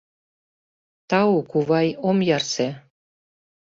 — Тау, кувай, ом ярсе.